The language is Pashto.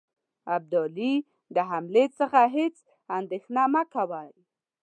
ابدالي د حملې څخه هیڅ اندېښنه مه کوی.